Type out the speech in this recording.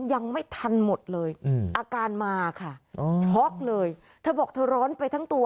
ยังไม่ทันหมดเลยอืมอาการมาค่ะช็อกเลยเธอบอกเธอร้อนไปทั้งตัว